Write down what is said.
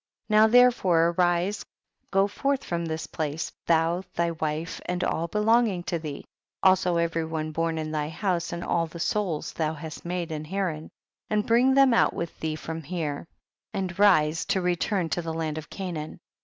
24. Now therefore arise, go forth from this place, thou, thy wife, and all belonging to thee, also every one born in thy house and all the souls thou hast made in Haran, and bring them out with thee from here, and rise to return to the land of Canaan, 25.